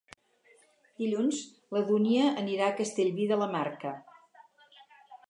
Dilluns na Dúnia anirà a Castellví de la Marca.